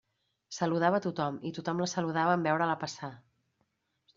Saludava a tothom i tothom la saludava en veure-la passar.